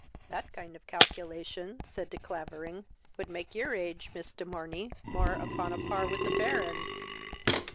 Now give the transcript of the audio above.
"That kind of calculation (said De Clavering) would make your age, Miss de Morney, more upon a par with the Baron's."